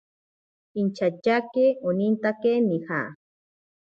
Inchatyake onintake nija.